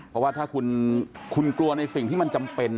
เพราะว่าถ้าคุณกลัวในสิ่งที่มันจำเป็น